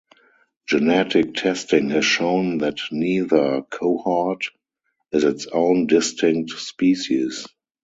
Genetic testing has shown that neither cohort is its own distinct species.